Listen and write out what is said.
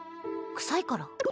臭いから？